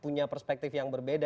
punya perspektif yang berbeda